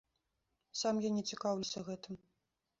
Сам я не цікаўлюся гэтым.